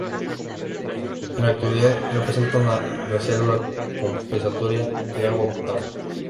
En la actualidad, representa una reserva compensatoria de agua potable.